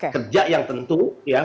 kerja yang tentu ya